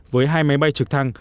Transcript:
với hai máy bay trực thăng